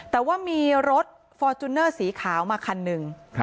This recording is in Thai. แต่ว่ามีรถฟอร์จูเนอร์สีขาวมาคันหนึ่ง